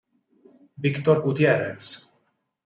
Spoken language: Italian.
Víctor Gutiérrez